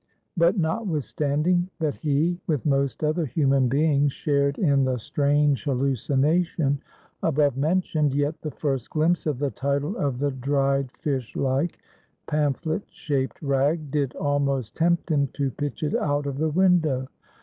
But notwithstanding that he, with most other human beings, shared in the strange hallucination above mentioned, yet the first glimpse of the title of the dried fish like, pamphlet shaped rag, did almost tempt him to pitch it out of the window.